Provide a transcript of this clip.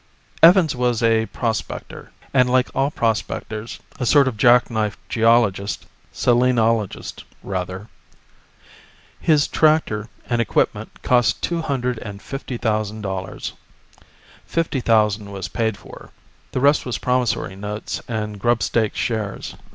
Evans was a prospector, and like all prospectors, a sort of jackknife geologist, selenologist, rather. His tractor and equipment cost two hundred and fifty thousand dollars. Fifty thousand was paid for. The rest was promissory notes and grubstake shares.